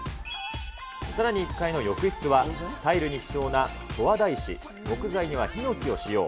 さらに１階の浴室は、タイルに希少な十和田石、木材にはひのきを使用。